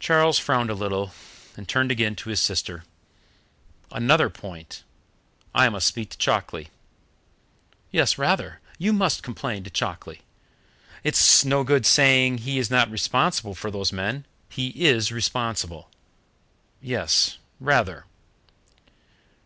Charles frowned a little, and turned again to his sister. "Another point. I must speak to Chalkeley." "Yes, rather; you must complain to Chalkeley. "It's no good him saying he is not responsible for those men. He is responsible." "Yes, rather."